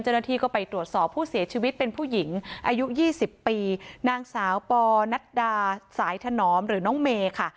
เจ้าหน้าที่ก็ไปตรวจสอบผู้เสียชีวิตเป็นผู้หญิงอายุ๒๐ปีนางสาวปอนัดดาสายถนอมหรือน้องเมย์ค่ะ